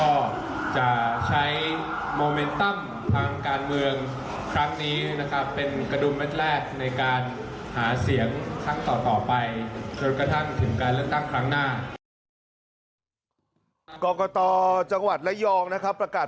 โอ้โหเจอกันฟังพิธาริมจรรยะรัฐครับ